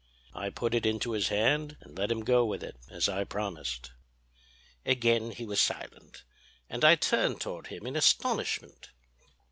"I put it into his hand, and let him go with it, as I promised." Again he was silent, and I turned toward him in astonishment.